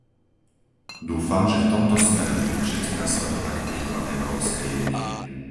Dúfam, že v tomto smere budú všetci nasledovať príklad Európskej únie.